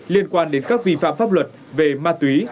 liên quan đến các vi phạm pháp luật về ma túy